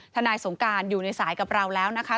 นายสงการอยู่ในสายกับเราแล้วนะคะ